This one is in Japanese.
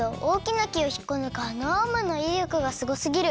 なきをひっこぬくあのアームのいりょくがすごすぎる。